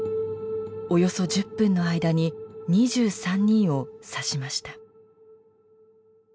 およそ１０分の間に２３人を刺しました。